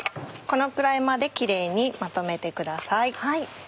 このくらいまでキレイにまとめてください。